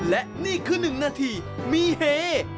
และนี่คือ๑นาทีมีเฮ